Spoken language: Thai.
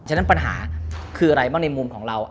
ฉะนั้นปัญหาคืออะไรบ้างในมุมของเรา